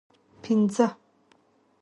پنځه